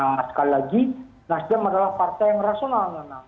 nah sekali lagi nasdyem adalah partai yang rasional nana